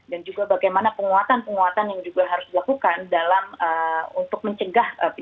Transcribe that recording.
dan juga bagaimana penguatan penguatan yang juga harus dilakukan untuk mencegah pelanggaran ham itu sendiri